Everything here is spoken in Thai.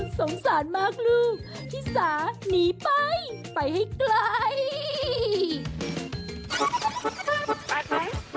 สงสารมากลูกชิสาหนีไปไปให้ไกล